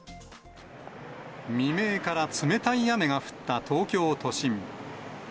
未明から冷たい雨が降った東京都心。